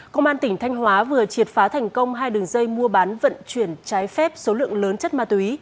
công an tỉnh thanh hóa vừa triệt phá thành công hai đường dây mua bán vận chuyển trái phép số lượng lớn chất ma túy